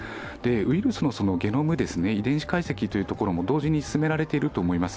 ウイルスのゲノムですね、遺伝子解析というところも同時に進められていると思います。